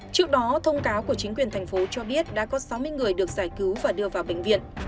trước đó thông cáo của chính quyền thành phố cho biết đã có sáu mươi người được giải cứu và đưa vào bệnh viện